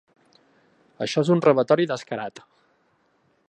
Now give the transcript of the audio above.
Això és un robatori descarat.